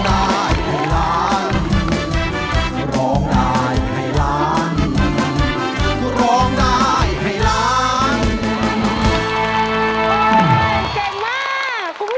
ได้ครับ